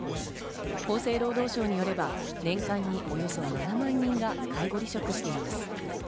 厚生労働省によれば年間におよそ７万人が介護離職しています。